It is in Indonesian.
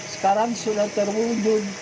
sekarang sudah terwujud